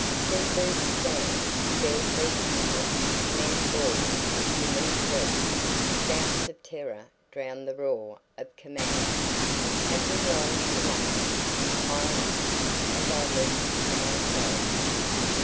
Sea boots stamped; bare feet pattered; men bawled; women shrieked; shouts of terror drowned the roar of command. "Have we long to last?" I asked, as I leaped for my clothes.